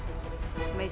masih berhenti ya